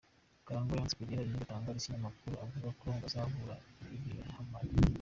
Karangwa yanze kugira ibindi atangariza abanyamukuru avuga ko bazahura abihamagariye.